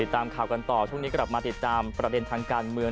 ที่ตามข่ากันต่อช่วงนี้ติดตามประเด็นทางการเมือง